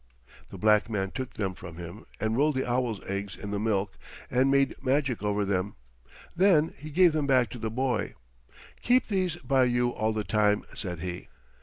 The black man took them from him and rolled the owl's eggs in the milk and made magic over them. Then he gave them back to the boy. "Keep these by you all the time," said he.